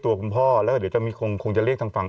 ตัวคุณพ่อแล้วเดี๋ยวจะคงจะเรียกทางฝั่ง